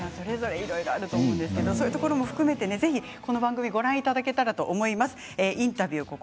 いろいろあると思うんですけれどもそういうところも含めてこの番組ご覧いただけたらと思います。